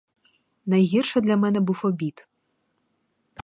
Найгірше для мене був обід.